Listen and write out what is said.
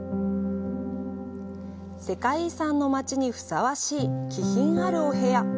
世界遺産の街にふさわしい気品あるお部屋。